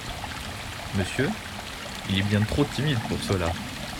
Monsieur ?… il est bien trop timide pour cela !